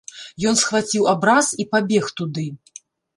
Ён схваціў абраз і пабег туды.